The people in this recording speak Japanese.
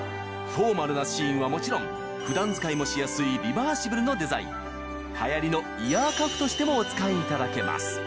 フォーマルなシーンはもちろん普段使いもしやすいリバーシブルのデザイン流行りのとしてもお使いいただけます